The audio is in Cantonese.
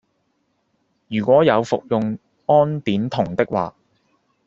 如果有服用胺碘酮的話